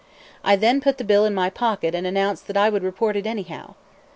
I then put the bill in my pocket and announced that I would report it anyhow.